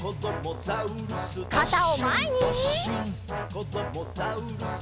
「こどもザウルス